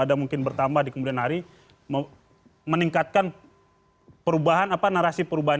ada mungkin bertambah di kemudian hari meningkatkan perubahan apa narasi perubahan